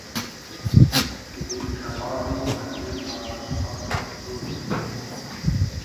دیل کئبابی بئلدې زازۆزاد خو تو